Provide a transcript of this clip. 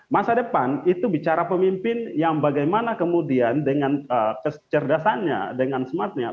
masa depan itu bicara pemimpin yang bagaimana kemudian dengan kecerdasannya dengan smartnya